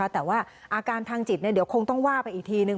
แต่ว่าอาการทางจิตเดี๋ยวคงต้องว่าไปอีกทีนึง